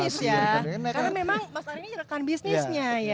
karena memang mas ari ini rakan bisnisnya ya